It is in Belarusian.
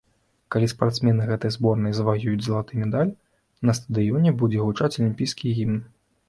Калі спартсмены гэтай зборнай заваююць залаты медаль, на стадыёне будзе гучаць алімпійскі гімн.